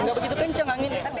tidak begitu kencang angin